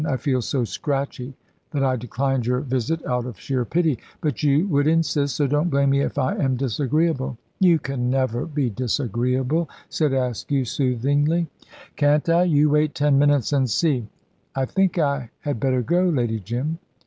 "I feel so scratchy that I declined your visit out of sheer pity. But you would insist, so don't blame me if I am disagreeable." "You can never be disagreeable," said Askew, soothingly. "Can't I? You wait ten minutes and see." "I think I had better go, Lady Jim."